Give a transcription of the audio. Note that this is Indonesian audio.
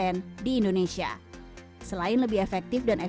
wiki nya tiramani kurang estima oluyor nahore statewide number one